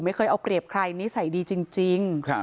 ไม่เคยเอาเปรียบใครนิสัยดีจริง